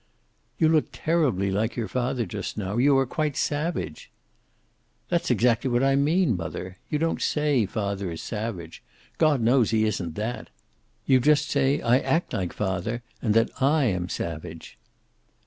"You look terribly like your father just now. You are quite savage." "That's exactly what I mean, mother. You don't say father is savage. God knows he isn't that. You just say I act like father, and that I am savage."